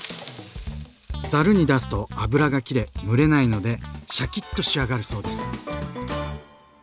ざるに出すと油が切れ蒸れないのでシャキッと仕上がるそうです。